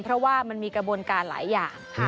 เพราะว่ามันมีกระบวนการหลายอย่าง